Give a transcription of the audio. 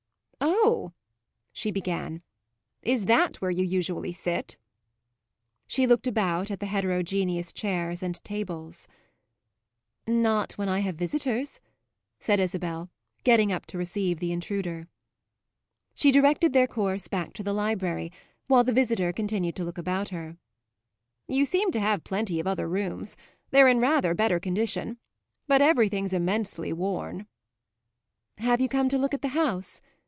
"Oh," she began, "is that where you usually sit?" She looked about at the heterogeneous chairs and tables. "Not when I have visitors," said Isabel, getting up to receive the intruder. She directed their course back to the library while the visitor continued to look about her. "You seem to have plenty of other rooms; they're in rather better condition. But everything's immensely worn." "Have you come to look at the house?"